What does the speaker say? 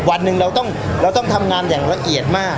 วันหนึ่งเราต้องทำงานอย่างละเอียดมาก